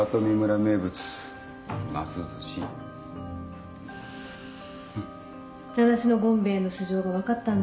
名無しの権兵衛の素性が分かったんだ。